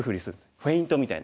フェイントみたいな。